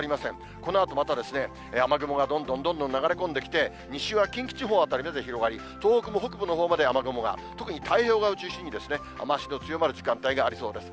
このあとまた、雨雲がどんどんどんどん流れ込んできて、西は近畿地方辺りまで広がり、東北も北部のほうまで雨雲が、特に太平洋側を中心に雨足の強まる時間帯がありそうです。